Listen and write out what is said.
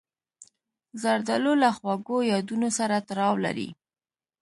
زردالو له خواږو یادونو سره تړاو لري.